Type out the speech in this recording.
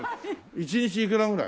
１日いくらぐらい？